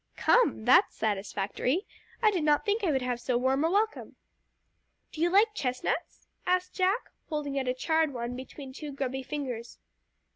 "Come! That's satisfactory. I did not think I would have so warm a welcome!" "Do you like chestnuts?" asked Jack, holding out a charred one between two grubby fingers.